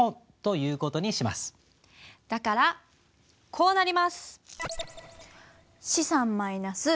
だからこうなります。